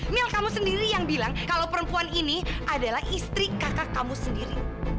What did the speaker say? mil kamu sendiri yang bilang kalau perempuan ini adalah istri kakak kamu sendiri